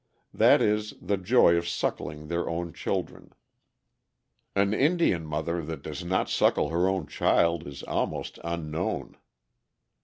That is, the joy of suckling their own children. An Indian mother that does not suckle her own child is almost unknown.